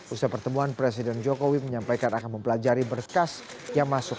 usia pertemuan presiden jokowi menyampaikan akan mempelajari berkas yang masuk